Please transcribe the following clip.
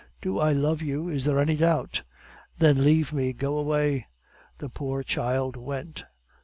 "Do I love you? Is there any doubt?" "Then, leave me, go away!" The poor child went.